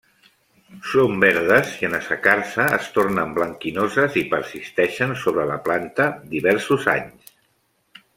Són verdes i en assecar-se es tornen blanquinoses i persisteixen sobre la planta diversos anys.